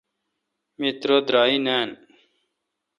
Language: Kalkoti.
می ترہ درائ نان۔